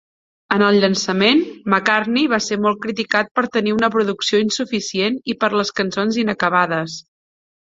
En el llançament, "McCartney" va ser molt criticat per tenir una producció insuficient i per les cançons inacabades.